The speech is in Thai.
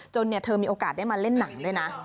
เธอมีโอกาสได้มาเล่นหนังด้วยนะ